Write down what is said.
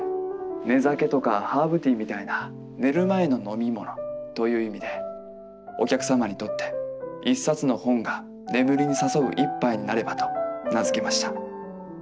寝酒とかハーブティーみたいな寝る前の飲み物という意味でお客様にとって一冊の本が眠りに誘う一杯になればと名付けました。